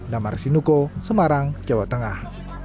damar sinuko semarang jawa tengah